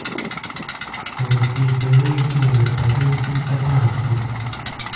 په وروستیو پیړیو کې د ولسواکۍ اصولو ته پام شو.